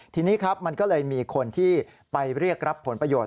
ทีนี้ครับมันก็เลยมีคนที่ไปเรียกรับผลประโยชน